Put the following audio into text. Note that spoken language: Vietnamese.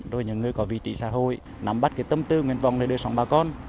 rồi những người có vị trí xã hội nắm bắt cái tâm tư nguyên vọng để đưa sang bà con